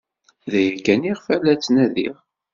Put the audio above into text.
D aya kan iɣef la ttnadiɣ.